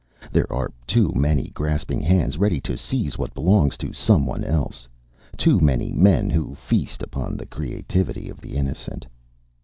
There are too many grasping hands ready to seize what belongs to someone else, too many men who feast upon the creativity of the innocent.